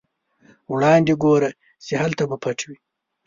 وړاندې ګوره چې هلته به پټ وي.